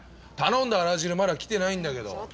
頼んだあら汁まだ来てないんだけど。